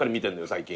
最近。